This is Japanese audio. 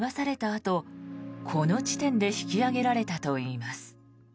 あとこの地点で引き揚げられたといいます。